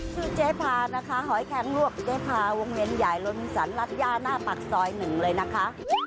ชื่อเจภานะคะหอยแคลงลวกเจภาวงเวียนใหญ่ลนศรรัชญาหน้าปากซอย๑เลยนะคะ